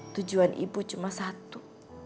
tujuan ibu cuma satu